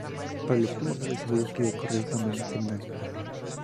Para los últimos años de su vida, escribía "El Correo Semanario".